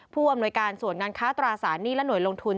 ผู้อำนวยการส่วนงานค้าตราสารหนี้และหน่วยลงทุน